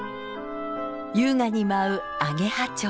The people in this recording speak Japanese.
優雅に舞うアゲハチョウ。